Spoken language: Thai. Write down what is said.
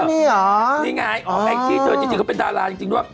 มีเหรอนี่ไงอ๋อแองจี้เธอจริงเขาเป็นดาราจริงด้วย